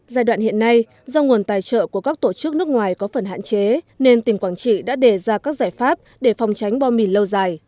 giai đoạn hiện nay do nguồn tài trợ của các tổ chức nước ngoài có phần hạn chế nên tỉnh quảng trị đã đề ra các giải pháp để phòng tránh bom mìn lâu dài